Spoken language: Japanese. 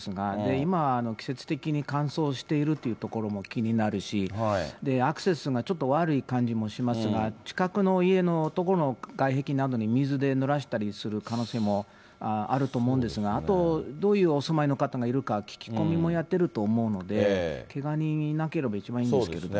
今、季節的に乾燥しているというところも気になるし、アクセスがちょっと悪い感じもしますが、近くの家の所の外壁などに水でぬらしたりする可能性もあると思うんですが、あと、どういうお住まいの方がいるか聞き込みもやってると思うので、けが人いなければ一番いいんですけどね。